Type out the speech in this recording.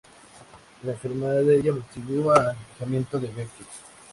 La enfermedad de ella motivó el alejamiento de Beckett.